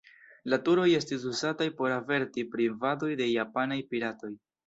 La turoj estis uzataj por averti pri invadoj de japanaj piratoj.